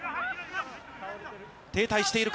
停滞しているか。